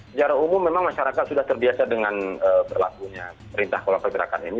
secara umum memang masyarakat sudah terbiasa dengan berlakunya perintah kolam pergerakan ini